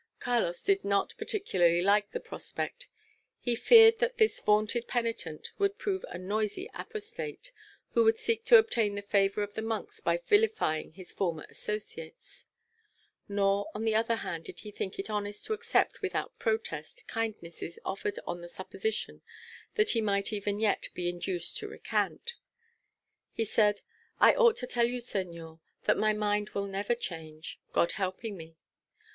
Carlos did not particularly like the prospect. He feared that this vaunted penitent would prove a noisy apostate, who would seek to obtain the favour of the monks by vilifying his former associates. Nor, on the other hand, did he think it honest to accept without protest kindnesses offered him on the supposition that he might even yet be induced to recant. He said, "I ought to tell you, señor, that my mind will never change, God helping me.